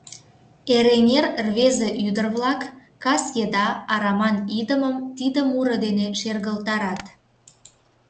Эреҥер рвезе-ӱдыр-влак кас еда араман идымым тиде муро дене шергылтарат.